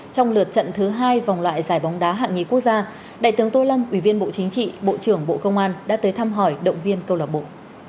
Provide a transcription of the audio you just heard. trong lượt trận thứ hai vòng loại giải bóng đá hạng nhì quốc gia đại tướng tô lâm ủy viên bộ chính trị bộ trưởng bộ công an đã tới thăm hỏi động viên câu lạc bộ